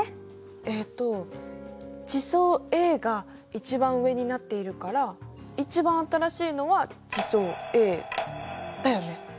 えっと地層Ａが一番上になっているから一番新しいのは地層Ａだよね？